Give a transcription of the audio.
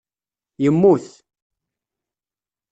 Yemmut